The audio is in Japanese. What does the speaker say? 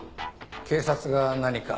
警察が何か？